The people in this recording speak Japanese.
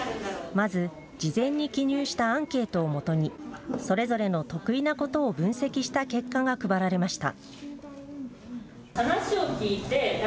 まず事前に記入したアンケートをもとにそれぞれの得意なことを分析した結果が配られました。